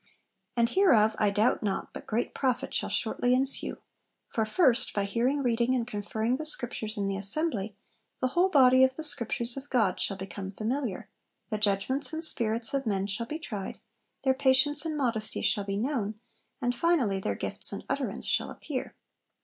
And hereof I doubt not but great profit shall shortly ensue; for, first, by hearing reading and conferring the Scriptures in the Assembly, the whole body of the Scriptures of God shall become familiar, the judgments and spirits of men shall be tried, their patience and modesty shall be known, and finally their gifts and utterance shall appear.'